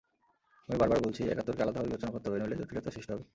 আমি বারবার বলছি, একাত্তরকে আলাদাভাবে বিবেচনা করতে হবে, নইলে জটিলতার সৃষ্টি হবে।